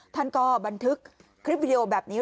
ท่านก็บันทึกคลิปวิดีโอแบบนี้